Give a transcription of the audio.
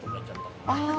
ああ。